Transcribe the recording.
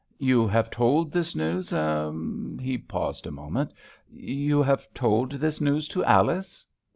"You have told this news, eh——" he paused a moment; "you have told this news to Alice?"